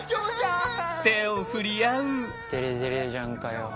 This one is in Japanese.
デレデレじゃんかよ。